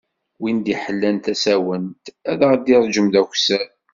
Win d-iḥellan tasawent ad ɣ-d-ireǧǧem d akessar.